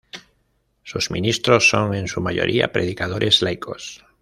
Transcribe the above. Sus ministros son en su mayoría predicadores laicos.